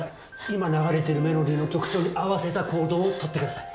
今流れてるメロディーの曲調に合わせた行動をとってください。